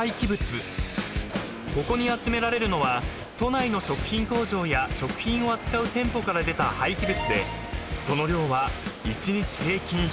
［ここに集められるのは都内の食品工場や食品を扱う店舗から出た廃棄物でその量は］